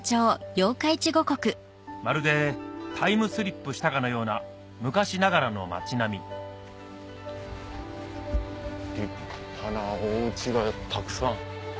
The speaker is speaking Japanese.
まるでタイムスリップしたかのような昔ながらの町並み立派なおうちがたくさん。